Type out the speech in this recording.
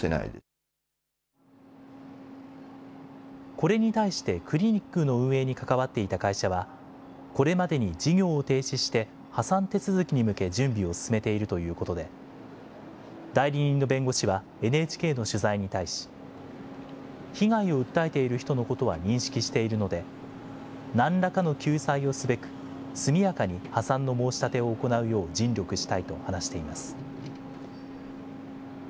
これに対してクリニックの運営に関わっていた会社は、これまでに事業を停止して、破産手続きに向け準備を進めているということで、代理人の弁護士はＮＨＫの取材に対し、被害を訴えている人のことは認識しているので、なんらかの救済をすべく、速やかに破産の申し立てを行うよう尽力したいと話しています。